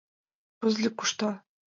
Пызле кушта.